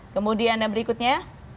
kemudian yang berikutnya